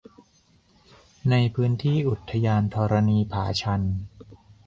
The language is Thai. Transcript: ในพื้นที่อุทยานธรณีผาชัน